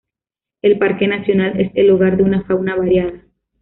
El parque nacional es el hogar de una fauna variada.